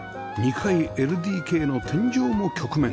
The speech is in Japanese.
２階 ＬＤＫ の天井も曲面